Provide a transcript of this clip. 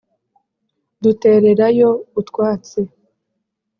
dutererayo utwatsi